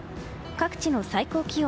各地の最高気温。